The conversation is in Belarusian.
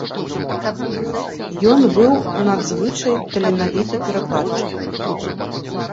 Ён быў надзвычай таленавіты перакладчык.